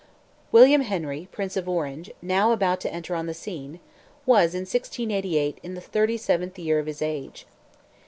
William Henry, Prince of Orange, now about to enter on the scene, was in 1688 in the thirty seventh year of his age.